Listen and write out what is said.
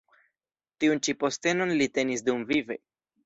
Tiun ĉi postenon li tenis dumvive.